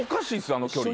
あの距離。